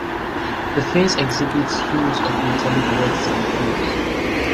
The face exhibits hues of metallic reds and blues.